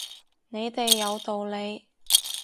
你哋有道理